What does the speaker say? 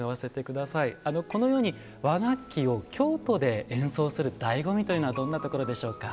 このように和楽器を京都で演奏する醍醐味というのはどんなところでしょうか？